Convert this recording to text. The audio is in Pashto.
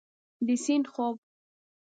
د سیند خوب